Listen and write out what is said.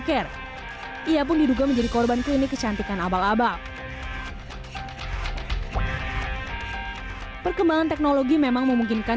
care ia pun diduga menjadi korban klinik kecantikan abal abal perkembangan teknologi memang memungkinkan